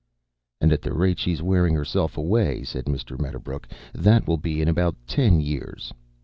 "And at the rate she is wearing herself away," said Mr. Medderbrook, "that will be in about ten years!